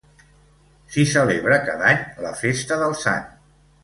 S'hi celebra cada any la festa del sant.